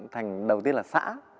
thành đầu tiên là xã